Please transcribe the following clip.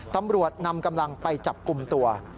ตำรวจนำกำลังไปจับกลุ่มตัว